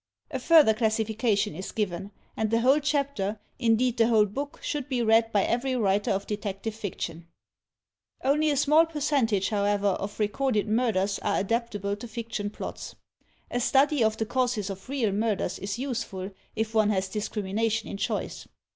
A further classification is given, and the whole chapter. 252 THE TECHNIQUE OF THE MYSTERY STORY indeed, the whole book, should be read by every writer of detective fiction. Only a small percentage, however, of recorded murders are adaptable to fiction plots. A study of the causes of real murders is useful, if one has discrimination in choice.